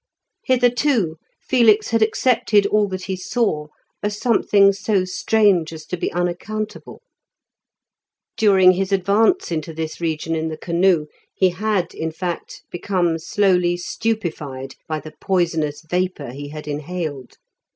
Hitherto Felix had accepted all that he saw as something so strange as to be unaccountable. During his advance into this region in the canoe he had in fact become slowly stupefied by the poisonous vapour he had inhaled.